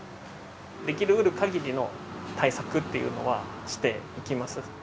できうるかぎりの対策っていうのはしていきます。